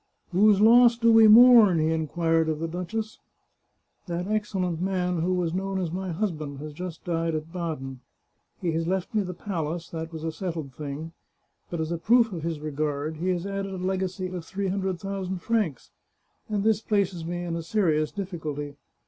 " Whose loss do we mourn ?" he inquired of the duchess. " That excellent man who was known as my husband has just died at Baden. He has left me the palace — that was a settled thing; but, as a proof of his regard, he has added a legacy of three hundred thousand francs, and this places me in a serious difficulty.